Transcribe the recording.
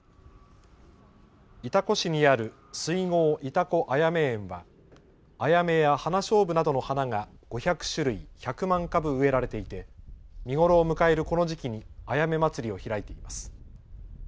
潮来市にある水郷潮来あやめ園はアヤメやハナショウブなどの花が５００種類、１００万株植えられていて見頃を迎えるこの時期にあやめまつりを開いています。